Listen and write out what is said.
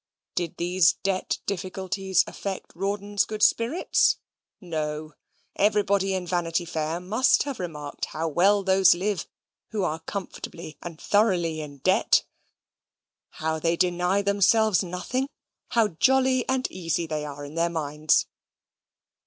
Did these debt difficulties affect Rawdon's good spirits? No. Everybody in Vanity Fair must have remarked how well those live who are comfortably and thoroughly in debt: how they deny themselves nothing; how jolly and easy they are in their minds.